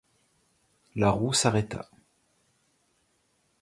La roue s’arrêta.